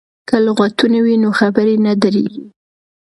که لغتونه وي نو خبرې نه دریږي.